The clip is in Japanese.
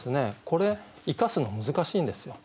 これ生かすの難しいんですよ。